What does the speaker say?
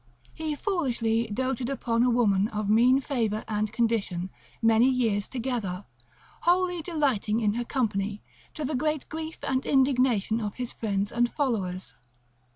He foolishly doted upon a woman of mean favour and condition, many years together, wholly delighting in her company, to the great grief and indignation of his friends and followers.